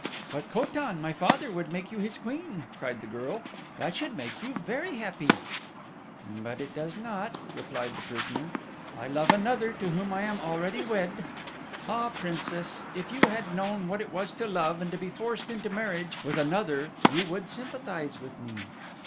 "But Ko tan, my father, would make you his queen," cried the girl; "that should make you very happy." "But it does not," replied the prisoner; "I love another to whom I am already wed. Ah, Princess, if you had known what it was to love and to be forced into marriage with another you would sympathize with me."